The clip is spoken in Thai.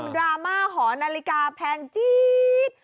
ดราม่าหอนาฬิกาแพงจี๊ด